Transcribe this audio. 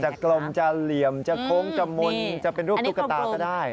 แต่กลมจะเหลี่ยมจะโค้งจะมุนจะเป็นรูปตุ๊กตาก็ได้